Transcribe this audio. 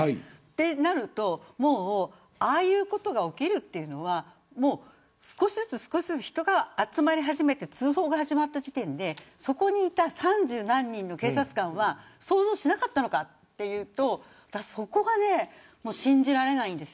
そうなるとああいうことが起きるというのは少しずつ人が集まり始めて通報が始まった時点でそこにいた三十何人の警察官は想像しなかったのかとそこが信じられません。